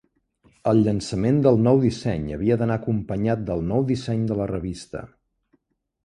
El llançament del nou disseny havia d'anar acompanyat del nou disseny de la revista.